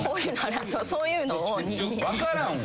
そういうのを２。分からんわ。